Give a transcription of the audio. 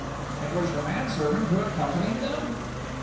"It was your manservant who accompanied them?"